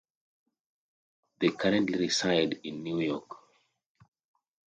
They currently reside in New York.